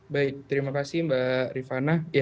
baik terima kasih mbak rifana